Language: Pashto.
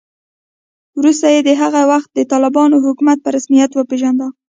وروسته یې د هغه وخت د طالبانو حکومت په رسمیت وپېژاند